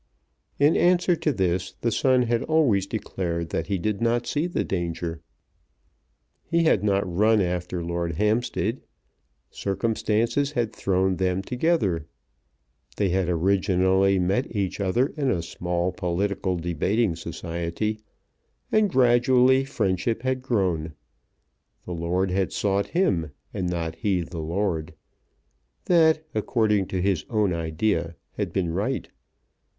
In answer to this the son had always declared that he did not see the danger. He had not run after Lord Hampstead. Circumstances had thrown them together. They had originally met each other in a small political debating society, and gradually friendship had grown. The lord had sought him, and not he the lord. That, according to his own idea, had been right.